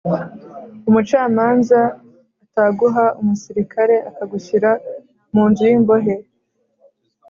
umucamanza ataguha umusirikare akagushyira mu nzu y’imbohe